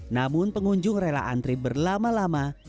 namun pengunjung rela antri berlama lama